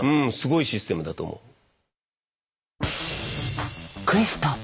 うんすごいシステムだと思う。